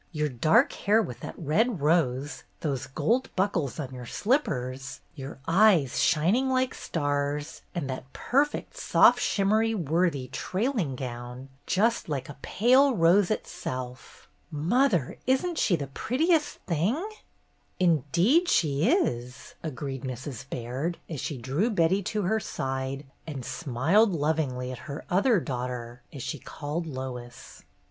Your dark hair with that red rose, those gold buckles on your slippers, your eyes shining like stars, and that perfect soft shimmery Worthy trailing gown, just like a pale rose itself! Mother, isn't she the prettiest thing!" 256 BETTY BAIRD'S GOLDEN YEAR "Indeed she is!" agreed Mrs. Baird, as she drew Betty to her side and smiled lov ingly at her "other daughter," as she called Lois.